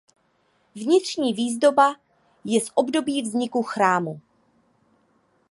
Vnitřní výzdoba je z období vzniku chrámu.